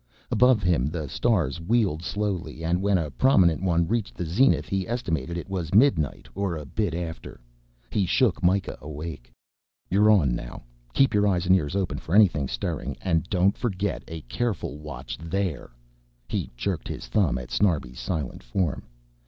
Above him the stars wheeled slowly and when a prominent one reached the zenith he estimated it was midnight, or a bit after. He shook Mikah awake. "You're on now. Keep your eyes and ears open for anything stirring and don't forget a careful watch there," he jerked his thumb at Snarbi's silent form.